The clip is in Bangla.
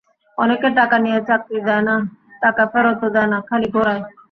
অনেকে টাকা নিয়ে চাকরি দেয় না, টাকা ফেরতও দেয় না, খালি ঘোরায়।